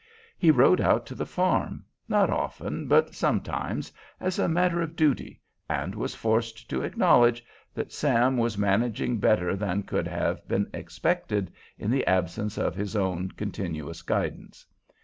He rode out to the farm, not often, but sometimes, as a matter of duty, and was forced to acknowledge that Sam was managing better than could have been expected in the absence of his own continuous guidance.